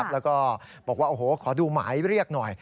แล้วก็บอกว่าโอ้โหขอดูหมายเรียกหน่อย